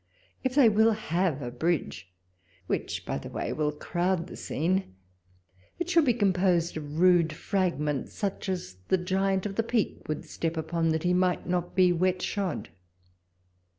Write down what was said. If they will have a bridge (which by the way will 78 walpole's letters. crowd the scene), it should be composed of rude fragments, such as the giant of the Peak would step upon, that ho might not be wetshod.